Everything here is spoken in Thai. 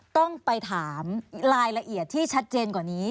ต้องไปถามรายละเอียดที่ชัดเจนกว่านี้